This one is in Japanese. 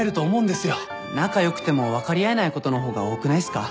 仲良くても分かり合えないことの方が多くないっすか？